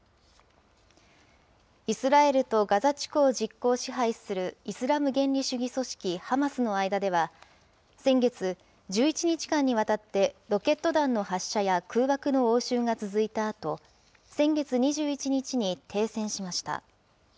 イスラエルとガザ地区を実効支配する、イスラム原理主義組織ハマスの間では、先月、１１日間にわたってロケット弾の発射や、空爆の応酬が続いたあと、先月２１日に停戦しました。